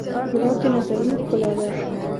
ګلاب د نظرونو ښکلا ده.